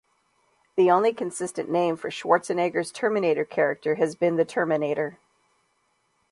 The only consistent name for Schwarzenegger's Terminator character has been "The Terminator".